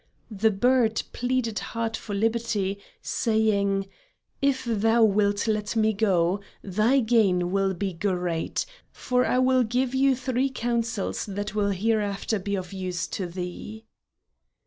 The bird pleaded hard for liberty, saying: "If thou wilt let me go, thy gain will be great, for I will give thee three counsels that will hereafter be of use to thee."